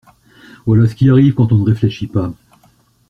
Voilà ce qui arrive quand on ne réfléchit pas!